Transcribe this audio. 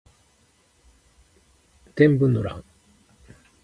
天文の乱